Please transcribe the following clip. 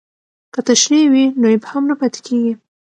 که تشریح وي نو ابهام نه پاتې کیږي.